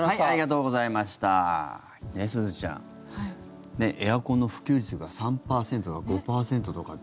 すずちゃん、エアコンの普及率が３％とか５％とか。